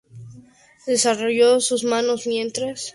Desarrolló sus manos mientras trabajaba ayudando a su padre.